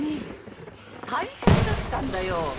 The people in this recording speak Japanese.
大変だったんだよ。